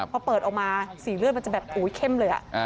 พอเปิดออกมาสีเลือดมันจะแบบอุ๊ยเข้มเลย